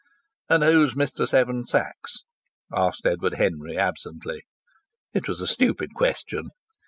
"And who's Mr. Seven Sachs?" asked Edward Henry, absently. It was a stupid question.